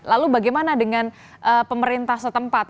lalu bagaimana dengan pemerintah setempat